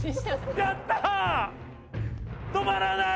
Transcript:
「止まらない！」